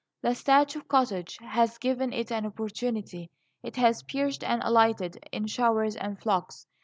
The thatch of cottages has given it an opportunity. It has perched and alighted in showers and flocks.